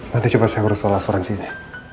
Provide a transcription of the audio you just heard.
nanti coba saya urus soal asuransinya